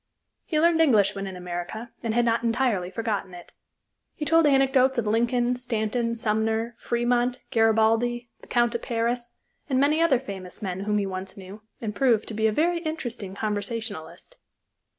He learned English when in America, and had not entirely forgotten it. He told anecdotes of Lincoln, Stanton, Sumner, Fremont, Garibaldi, the Count of Paris, and many other famous men whom he once knew, and proved to be a very interesting conversationalist.